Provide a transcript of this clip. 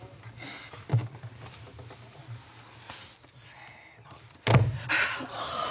せの。